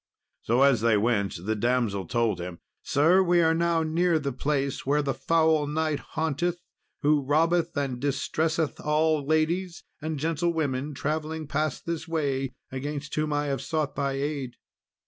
So, as they went, the damsel told him, "Sir, we are now near the place where the foul knight haunteth, who robbeth and distresseth all ladies and gentlewomen travelling past this way, against whom I have sought thy aid."